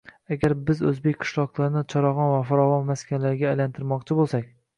Agarda biz o‘zbek qishloqlarini charog‘on va farovon maskanlarga aylantirmoqchi bo‘lsak